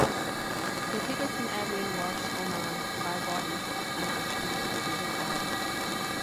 Der Titel von Evelyn Waughs Roman "Vile Bodies" ist eine Anspielung auf diese Phrase.